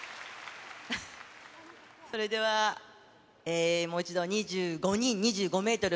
それではもう一度２５人、２５メートル